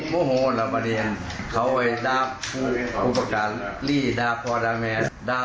พอดีเขาไปบ้านเรามันบอกผมหาเขาให้กิน